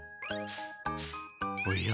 おや？